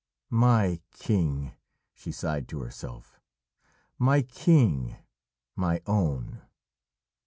"My King," she sighed to herself. "My King! my Own!"